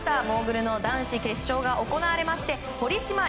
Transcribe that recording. モーグルの男子決勝が行われまして堀島